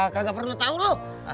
gak pernah tau lo